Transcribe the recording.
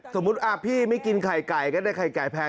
สมมุติพี่ไม่กินไข่ไก่ก็ได้ไข่ไก่แพง